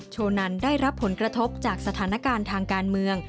โนันได้รับผลกระทบจากสถานการณ์ทางการเมือง